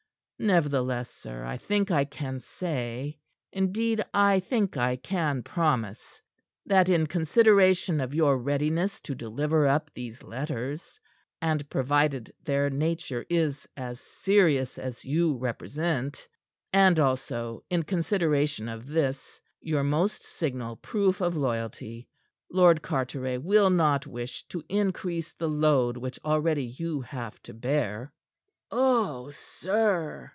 Nevertheless, sir, I think I can say indeed, I think I can promise that in consideration of your readiness to deliver up these letters, and provided their nature is as serious as you represent, and also in consideration of this, your most signal proof of loyalty, Lord Carteret will not wish to increase the load which already you have to bear." "Oh, sir!"